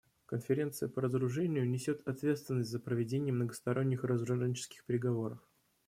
Конференция по разоружению несет ответственность за проведение многосторонних разоруженческих переговоров.